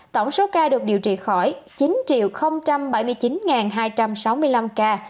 tổng số ca được điều trị khỏi chín bảy mươi chín hai trăm sáu mươi năm ca